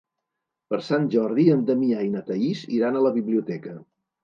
Per Sant Jordi en Damià i na Thaís iran a la biblioteca.